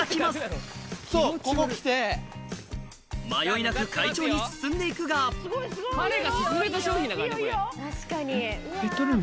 迷いなく快調に進んで行くが彼が薦めた商品だからねこれ。